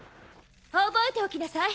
覚えておきなさい。